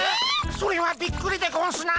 それはびっくりでゴンスなあ。